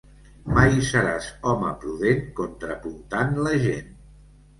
Mai seràs home prudent contrapuntant la gent.